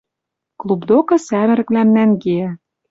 Клуб докы сӓмӹрӹквлӓм нӓнгеӓ...